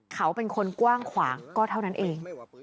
เขาเป็นคนกว้างขวางก็เท่านั้นเอง